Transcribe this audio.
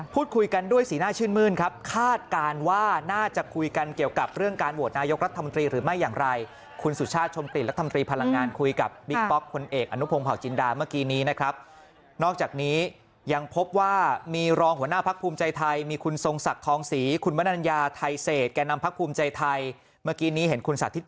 พูดคุยกันด้วยสีหน้าชื่นมืนครับคาดการณ์ว่าน่าจะคุยกัน